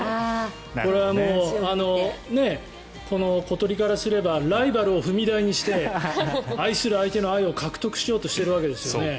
これはもう、小鳥からすればライバルを踏み台にして愛する相手の愛を獲得しようとしているわけですよね。